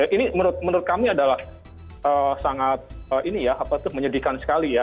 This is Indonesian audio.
ini menurut kami adalah sangat menyedihkan sekali ya